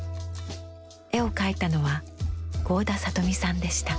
絵を描いたのは合田里美さんでした。